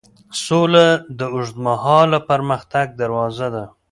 سوله د اوږدمهاله پرمختګ دروازه ده.